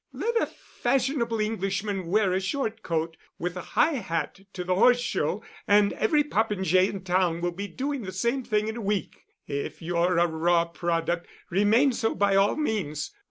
Let a fashionable Englishman wear a short coat with a high hat to the Horse Show, and every popinjay in town will be doing the same thing in a week. If you're a raw product, remain so by all means.